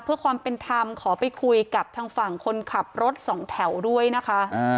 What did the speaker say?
เพื่อความเป็นธรรมขอไปคุยกับทางฝั่งคนขับรถสองแถวด้วยนะคะ